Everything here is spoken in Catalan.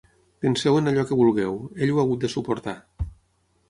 Penseu en allò que vulgueu, ell ho ha hagut de suportar.